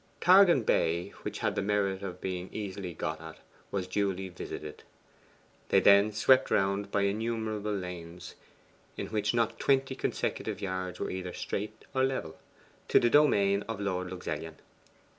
Targan Bay which had the merit of being easily got at was duly visited. They then swept round by innumerable lanes, in which not twenty consecutive yards were either straight or level, to the domain of Lord Luxellian.